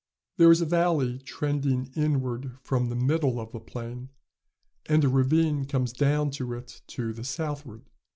There is a valley trending inward from the middle of the plain, and a ravine comes down to it to the southward.